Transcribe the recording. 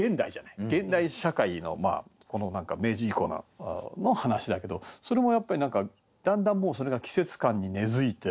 現代社会の明治以降の話だけどそれもやっぱりだんだんもうそれが季節感に根づいてるんですね。